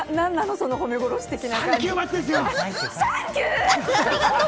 その褒め殺し的な。